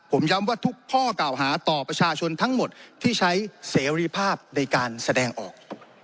ผมย้ำว่าทุกข้อกล่าวหาต่อประชาชนทั้งหมดที่ใช้เสรีภาพในการแสดงออก